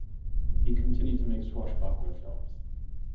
He continued to make swashbuckler films.